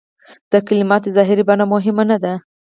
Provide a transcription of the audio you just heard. د کلماتو ظاهري بڼه مهمه نه ده.